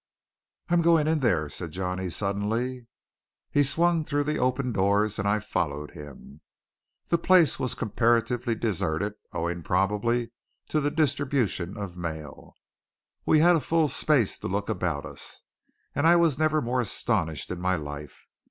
"I'm going in here," said Johnny, suddenly. He swung through the open doors, and I followed him. The place was comparatively deserted, owing probably to the distribution of mail. We had full space to look about us; and I was never more astonished in my life.